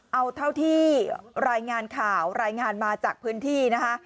เอาเท่าที่รายงานข่าวรายงานมาจากพื้นที่นะคะ